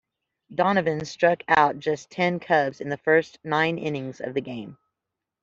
Donovan struck out just ten Cubs in the first nine innings of the game.